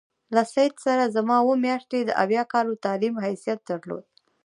له سید سره زما اووه میاشتې د اویا کالو تعلیم حیثیت درلود.